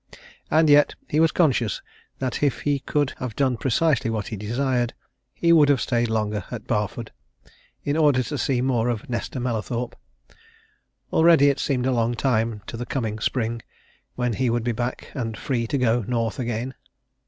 And yet he was conscious that if he could have done precisely what he desired, he would have stayed longer at Barford, in order to see more of Nesta Mallathorpe. Already it seemed a long time to the coming spring, when he would be back and free to go North again.